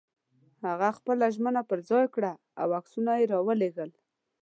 هغه خپله ژمنه پر ځای کړه او عکسونه یې را ولېږل.